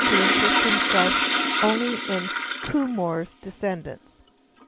to interest himself only in Kohinoor's descendants.